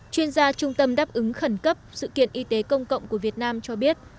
chuyên gia trung tâm đáp ứng khẩn cấp sự kiện y tế công cộng của việt nam cho biết